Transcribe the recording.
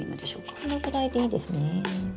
そのぐらいでいいですね。